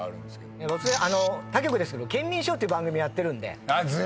他局ですけど『ケンミンＳＨＯＷ』っていう番組やってるんで。